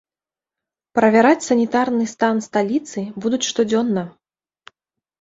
Правяраць санітарны стан сталіцы будуць штодзённа.